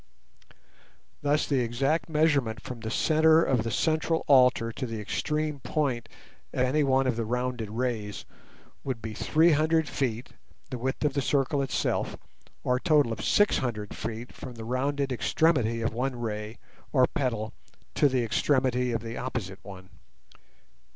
Thus the exact measurement from the centre of the central altar to the extreme point of any one of the rounded rays would be three hundred feet (the width of the circle itself), or a total of six hundred feet from the rounded extremity of one ray or petal to the extremity of the opposite one.